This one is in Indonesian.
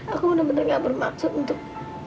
aku benar benar gak bermaksud untuk